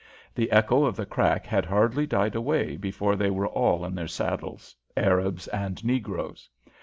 The echo of the crack had hardly died away before they were all in their saddles, Arabs and negroes.